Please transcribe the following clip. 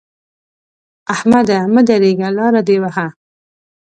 احمده! مه درېږه؛ لاره دې وهه.